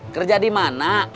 kerja di mana